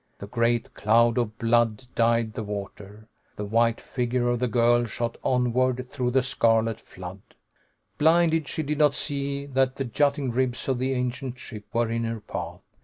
A great cloud of blood dyed the water. The white figure of the girl shot onward through the scarlet flood. Blinded, she did not see that the jutting ribs of the ancient ship were in her path.